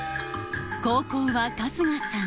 後攻は春日さん